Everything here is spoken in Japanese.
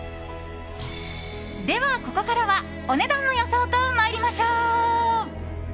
では、ここからはお値段の予想と参りましょう。